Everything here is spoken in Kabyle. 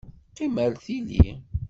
Qqim ar tili!